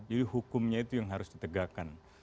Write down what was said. jadi hukumnya itu yang harus ditegakkan